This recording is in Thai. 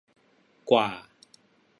กว่า